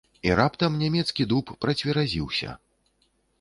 І раптам нямецкі дуб працверазіўся.